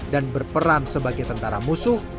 dan berperan sebagai tentara musuh